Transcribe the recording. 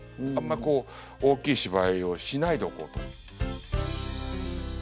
あんまこう大きい芝居をしないでおこうと。